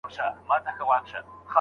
خو اوس دي ګراني! دا درسونه سخت كړل